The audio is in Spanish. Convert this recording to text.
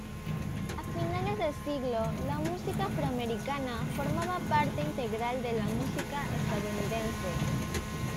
A finales del siglo, la música afroamericana formaba parte integral de la música estadounidense.